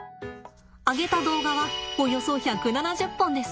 上げた動画はおよそ１７０本です。